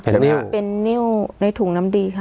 ใช่ค่ะเป็นนิ้วในถุงน้ำดีค่ะ